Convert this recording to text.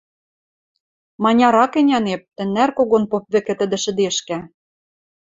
Маняр ак ӹнянеп, тӹнӓр когон поп вӹкӹ тӹдӹ шӹдешкӓ.